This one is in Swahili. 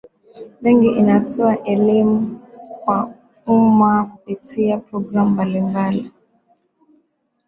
benki inatoa elimu kwa umma kupitia programu mbalimbali